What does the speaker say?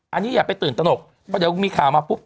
อันนี้อย่าไปตื่นตนกเพราะเดี๋ยวมีข่าวมาปุ๊บ